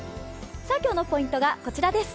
今日のポイントがこちらです。